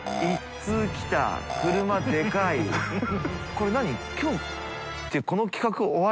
これ何？